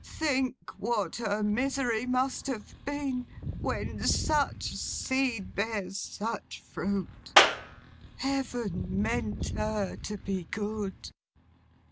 Think what her misery must have been, when such seed bears such fruit! Heaven meant her to be good.